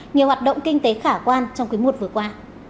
như hoạt động kinh tế khả quan trong cuối mùa vừa qua